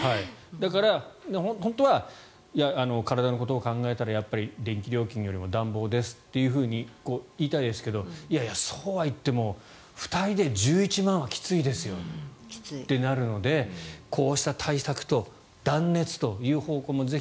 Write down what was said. だから、本当は体のことを考えたらやっぱり電気料金よりも暖房ですと言いたいですがいやいや、そうはいっても２人で１１万円はきついですよとなるのでこうした対策と断熱という方向もぜひ。